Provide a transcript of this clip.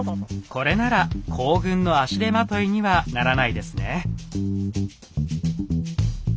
これなら行軍の足手まといにはならないですね。